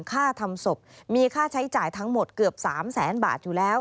ค่าทำศพมีค่าใช้จ่ายทั้งหมดเกือบ๓แสนบาทอยู่แล้ว